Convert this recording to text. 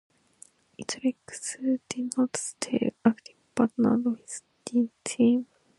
"Italics" denotes still active but not with team.